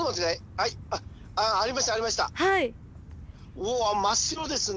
うわ真っ白ですね！